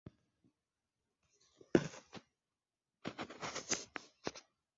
একাধিক জাতীয় ও আন্তর্জাতিক কমিটি ও প্রতিষ্ঠান স্ট্যান্ডার্ড পরীক্ষণ পদ্ধতি নিয়ন্ত্রণ ও রচনা করে থাকে।